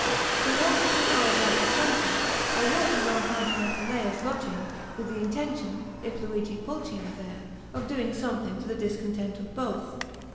Toward two hours after sunset, I walked along Pantasilea's lodging, with the intention, if Luigi Pulci were there, of doing something to the discontent of both.